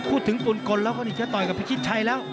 พูดถึงปืนกลแล้วก็นี่จะต่อยกับพิชิตชัยแล้ว